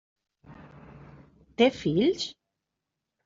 Té fills?